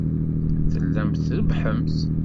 Tellamt trebbḥemt.